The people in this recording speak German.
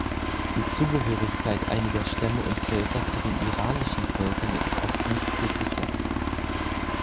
Die Zugehörigkeit einiger Stämme und Völker zu den iranischen Völkern ist oft nicht gesichert.